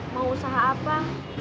mau usaha apa